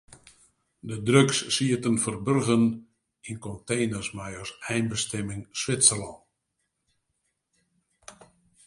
De drugs sieten ferburgen yn konteners mei as einbestimming Switserlân.